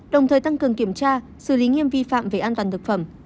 đồng thời tăng cường kiểm tra xử lý nghiêm vi phạm về an toàn thực phẩm